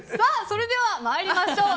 それでは参りましょう。